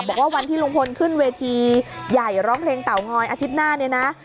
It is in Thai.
วันที่ลุงพลขึ้นเวทีใหญ่ร้องเพลงเต่างอยอาทิตย์หน้าเนี่ยนะ